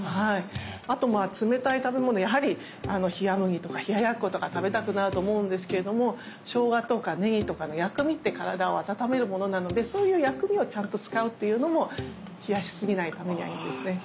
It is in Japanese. あとまあ冷たい食べ物やはり冷や麦とか冷ややっことか食べたくなると思うんですけれどもものなのでそういう薬味をちゃんと使うっていうのも冷やし過ぎないためにはいいんですね。